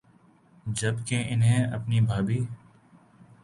جب کہ انہیں اپنی بھابھی